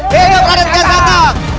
hidup raden kiasatang